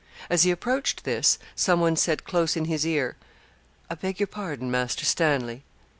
As he approached this, some one said close in his ear, 'I beg your pardon, Master Stanley.'